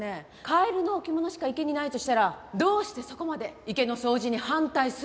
カエルの置物しか池にないとしたらどうしてそこまで池の掃除に反対するのか。